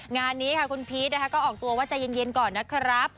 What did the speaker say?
งานนี้ค่ะคุณพีชนะคะก็ออกตัวว่าใจเย็นก่อนนะครับ